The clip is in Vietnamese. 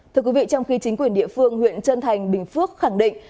thưa quý vị trong khi chính quyền địa phương huyện trân thành bình phước khẳng định